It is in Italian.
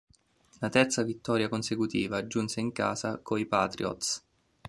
La terza vittoria consecutiva giunse in casa coi Patriots.